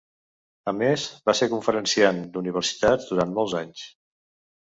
A més, va ser conferenciant d'universitats durant molts anys.